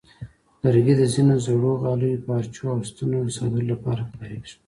لرګي د ځینو زړو غالیو، پارچو، او ستنو د ساتلو لپاره کارېږي.